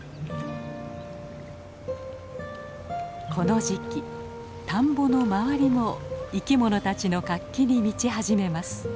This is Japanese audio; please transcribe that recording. この時期田んぼの周りも生きものたちの活気に満ち始めます。